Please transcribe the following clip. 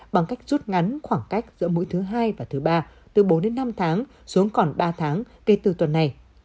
bằng cách rút ngắn khoảng cách giữa mũi thứ hai và thứ ba từ bốn đến năm tháng xuống còn ba tháng kể từ tuần này